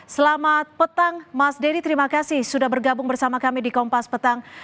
selamat petang mas dedy terima kasih sudah bergabung bersama kami di kompas petang